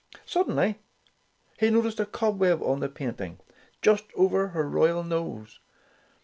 Suddenly he noticed a cobweb on the painting, just over her royal nose.